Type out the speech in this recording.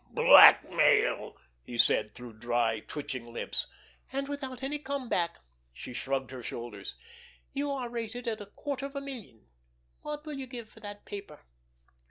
"Blackmail!" he said, through dry, twitching lips. "And without any come back!" She shrugged her shoulders. "You are rated at a quarter of a million. What will you give for that paper?"